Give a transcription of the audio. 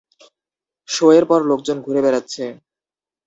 শো-এর পর লোকজন ঘুরে বেড়াচ্ছে